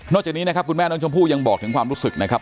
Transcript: จากนี้นะครับคุณแม่น้องชมพู่ยังบอกถึงความรู้สึกนะครับ